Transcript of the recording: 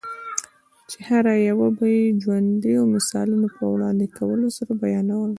چي هره یوه به یې د ژوندییو مثالو په وړاندي کولو سره بیانوله؛